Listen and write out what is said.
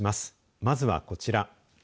まずは、こちら。